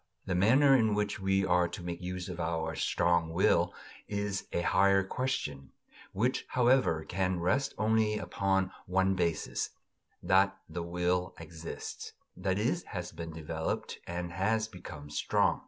The manner in which we are to make use of our strong will is a higher question, which, however, can rest only upon one basis: that the will exists that is, has been developed, and has become strong.